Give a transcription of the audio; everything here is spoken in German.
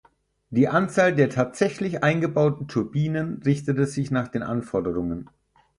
Die Anzahl der tatsächlich eingebauten Turbinen richtete sich nach den Anforderungen.